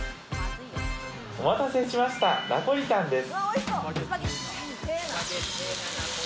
お待たせしました、ナポリタンです。